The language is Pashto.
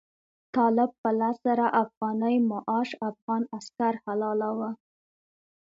طالب په لس زره افغانۍ معاش افغان عسکر حلالاوه.